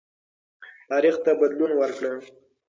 تاریخ ته بدلون ورکړه.